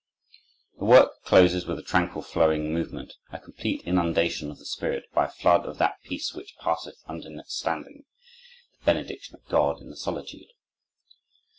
The work closes with a tranquil, flowing movement, a complete inundation of the spirit by a flood of that "peace which passeth understanding," the benediction of God in the solitude.